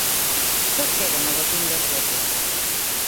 Só queren o botín dos votos.